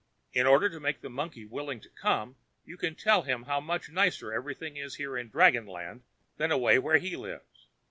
In order to make the monkey willing to come, you can tell him how much nicer everything is here in dragon land than away where he lives.